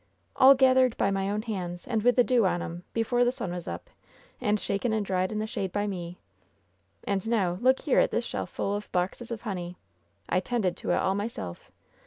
'^ "All gathered by my own hands, and with the dew on 'em, before the sun was up, and shaken and dried in the shade by me. And now look here at this shelf full of boxes of honey. I 'tended to it all myself.